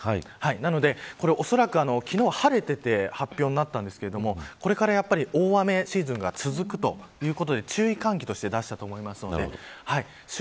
なので、おそらく昨日は晴れていて発表になったんですけどこれから大雨シーズンが続くということで注意喚起として出したと思います。